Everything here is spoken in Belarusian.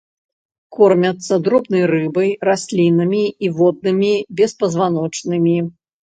Кормяцца дробнай рыбай, раслінамі і воднымі беспазваночнымі.